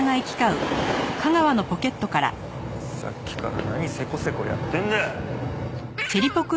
さっきから何せこせこやってんだ！？